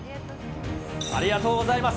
ありがとうございます。